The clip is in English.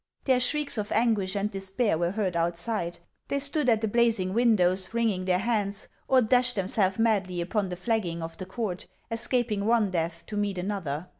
Their shrieks of anguish and despair were heard outside ; they stood at the blazing windows, wringing their hands, or dashed themselves madly upon the flagging of the court, escaping one death to meet another.